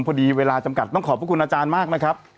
พอดีเวลาจำกัดต้องขอบพระคุณอาจารย์มากนะครับ